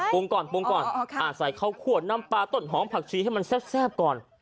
ก่อนปรุงก่อนใส่ข้าวขวดน้ำปลาต้นหอมผักชีให้มันแซ่บก่อน